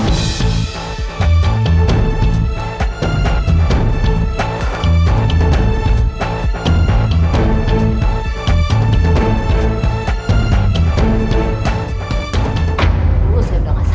kamu nggak keberatan aku pulang cepat